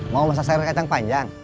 mau masak seri kacang panjang